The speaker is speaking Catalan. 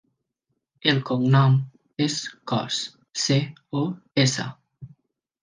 El cognom és Cos: ce, o, essa.